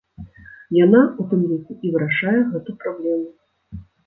Яна, у тым ліку, і вырашае гэту праблему.